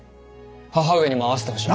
母上にも会わせてほしい。